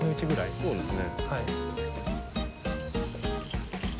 そうですね。